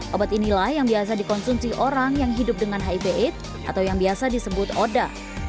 obat inilah yang biasa dikonsumsi orang yang hidup dengan hiv aids atau yang biasa disebut oda